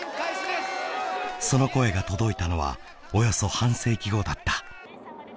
その声が届いたのはおよそ半世紀後だった・